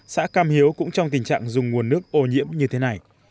xã cam hiếu cũng như thế nào